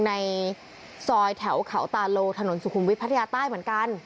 ในซอยแถวเขาตาโลถนนสุขุมวิทยพัทยาใต้เหมือนกัน